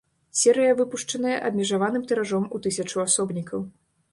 Серыя выпушчаная абмежаваным тыражом у тысячу асобнікаў.